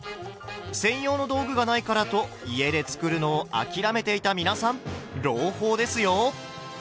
専用の道具がないからと家で作るのを諦めていた皆さん朗報ですよ！